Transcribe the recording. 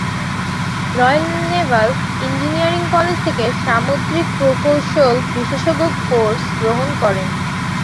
Royal naval engineering college থেকে সামুদ্রিক প্রকৌশল বিশেষজ্ঞ কোর্স গ্রহণ করেন।